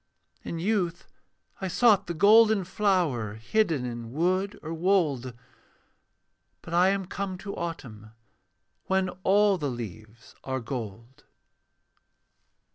In youth I sought the golden flower Hidden in wood or wold, But I am come to autumn, When all the leaves are gold.